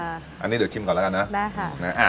อันนี้เดี๋ยวชิมก่อนแล้วกันนะได้ค่ะ